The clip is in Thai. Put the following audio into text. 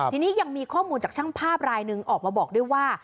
ทีนี้ยังมีข้อมูลจากช่างภาพรายหนึ่งออกมาบอกด้วยว่า